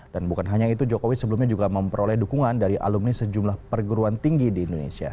dan bukan hanya itu jokowi sebelumnya juga memperoleh dukungan dari alumni sejumlah perguruan tinggi di indonesia